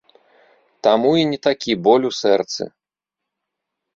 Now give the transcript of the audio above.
Таму і не такі боль у сэрцы.